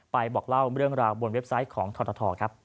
บอกเล่าเรื่องราวบนเว็บไซต์ของททครับ